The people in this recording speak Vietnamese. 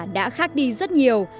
đã khác đi rất nhiều